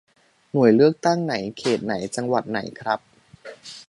หน่วยเลือกตั้งไหน เขตไหน จังหวัดไหนครับ